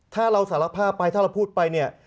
ถ้าเราสารภาพไปถ้าเราพูดไปเนี่ย